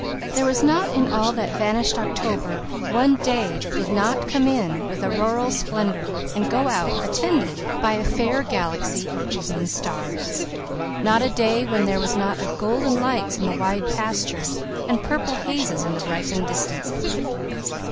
There was not in all that vanished October one day that did not come in with auroral splendour and go out attended by a fair galaxy of evening stars not a day when there were not golden lights in the wide pastures and purple hazes in the ripened distances.